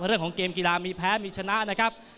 เรื่องของเกมกีฬามีแพ้มีชนะนะครับ